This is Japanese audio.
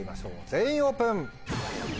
全員オープン！